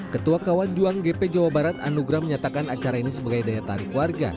ketua kawan juang gp jawa barat anugrah menyatakan acara ini sebagai daya tarik warga